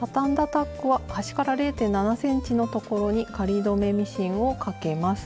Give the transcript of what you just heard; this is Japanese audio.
タックは端から０．７ｃｍのところに仮留めミシンをかけます。